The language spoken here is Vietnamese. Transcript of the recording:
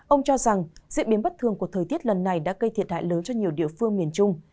ông cho rằng diễn biến bất thường của thời tiết lần này đã gây thiệt hại lớn cho nhiều địa phương miền trung